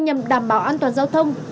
nhằm đảm bảo an toàn giao thông